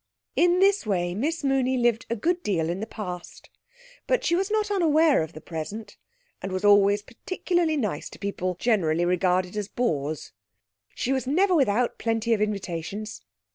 In this way Miss Mooney lived a good deal in the past, but she was not unaware of the present, and was always particularly nice to people generally regarded as bores. So she was never without plenty of invitations.